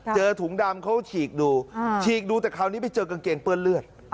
ถุงดำเขาฉีกดูฉีกดูแต่คราวนี้ไปเจอกางเกงเปื้อนเลือด